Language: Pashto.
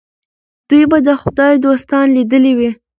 دوی به د خدای دوستان لیدلي وي.